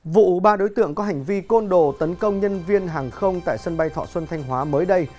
vụ ba đối tượng có hành vi côn đồ tấn công nhân viên hàng không tại sân bay thọ xuân thanh hóa mới đây